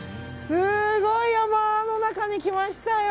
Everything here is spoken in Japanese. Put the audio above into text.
すごい山の中に来ましたよ。